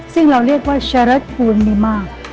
ซึ่งเราเรียกว่าชรัฐภูมิมาก